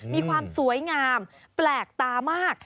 มีความสวยงามแปลกตามาก